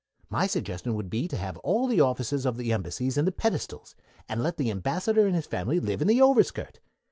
My suggestion would be to have all the offices of the Embassies in the pedestals, and let the Ambassador and his family live in the overskirt.